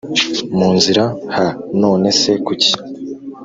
mu nzira h none se kuki